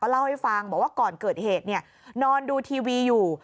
เล่าให้ฟังบอกว่าก่อนเกิดเหตุนอนดูทีวีอยู่